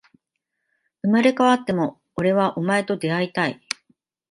生まれ変わっても、俺はお前と出会いたい